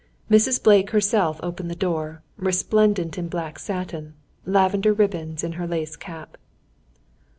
Mrs. Blake herself opened the door, resplendent in black satin; lavender ribbons in her lace cap.